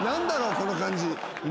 この感じ。